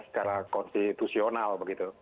secara konstitusional begitu